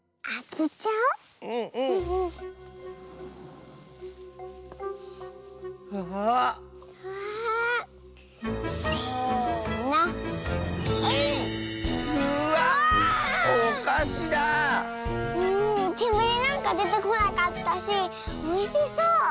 けむりなんかでてこなかったしおいしそう。